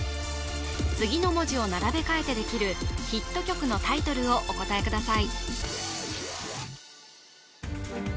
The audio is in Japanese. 次の文字を並べ替えてできるヒット曲のタイトルをお答えください